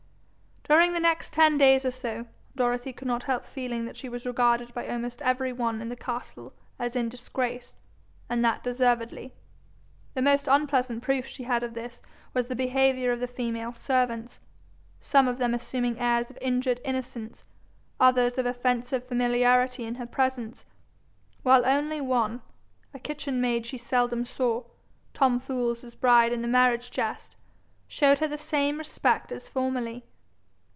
During the next ten days or so, Dorothy could not help feeling that she was regarded by almost every one in the castle as in disgrace, and that deservedly. The most unpleasant proof she had of this was the behaviour of the female servants, some of them assuming airs of injured innocence, others of offensive familiarity in her presence, while only one, a kitchen maid she seldom saw, Tom Fool's bride in the marriage jest, showed her the same respect as formerly.